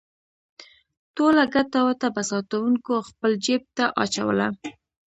ټوله ګټه وټه به ساتونکو خپل جېب ته اچوله.